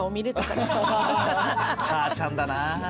母ちゃんだな。